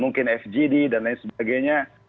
mungkin fgd dan lain sebagainya